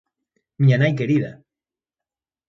Miña nai querida!